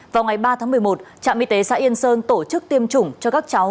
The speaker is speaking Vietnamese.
vào ngày ba tháng một mươi một trạm y tế xã yên sơn tổ chức tiêm chủng cho các cháu